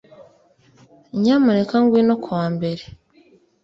nyamuneka ngwino kuwa mbere